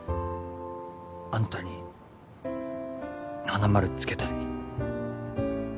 あんたに花丸つけたい